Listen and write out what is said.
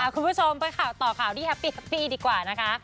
คุณผู้ชมไปข่าวต่อข่าวที่แฮปปี้แฮปปี้ดีกว่านะคะ